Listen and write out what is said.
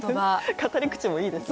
語り口もいいですね。